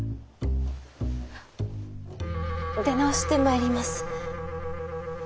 出直してまいります。